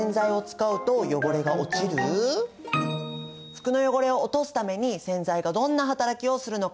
服の汚れを落とすために洗剤がどんな働きをするのか？